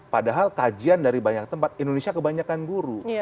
padahal kajian dari banyak tempat indonesia kebanyakan guru